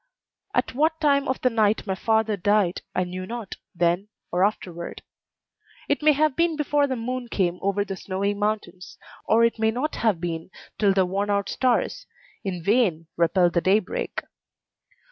At what time of the night my father died I knew not then or afterward. It may have been before the moon came over the snowy mountains, or it may not have been till the worn out stars in vain repelled the daybreak.